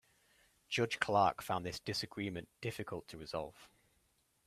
Judge Clark found this disagreement difficult to resolve.